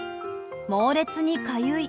猛烈にかゆい。